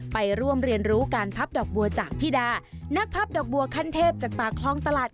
ไปร่วมเรียนรู้การพับดอกบัวจากพี่ดานักพับดอกบัวขั้นเทพจากปากคลองตลาด